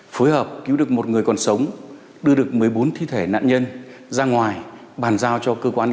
phối hợp cứu được một người còn sống đưa được một mươi bốn thi thể nạn nhân ra ngoài bàn giao cho cơ quan